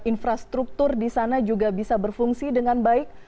infrastruktur di sana juga bisa berfungsi dengan baik